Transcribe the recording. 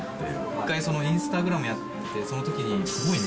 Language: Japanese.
一回、インスタグラムやってて、そのときにすごいね！